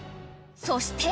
［そして］